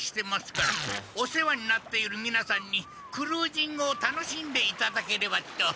お世話になっているみなさんにクルージングを楽しんでいただければと。